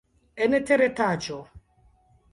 En teretaĝo.